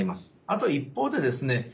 あと一方でですね